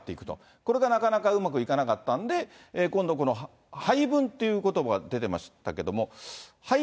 これがなかなかうまくいかなかったんで、今度、配分ということが出てましたけれども。